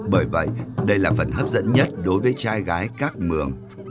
bởi vậy đây là phần hấp dẫn nhất đối với trai gái các mường